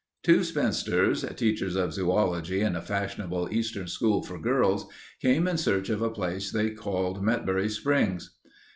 Two spinsters—teachers of zoology in a fashionable eastern school for girls—came in search of a place they called Metbury Springs.